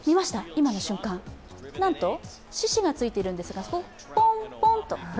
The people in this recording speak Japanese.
今の瞬間、なんと、獅子がついてるんですがポンポンと。